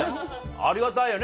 ありがたいよね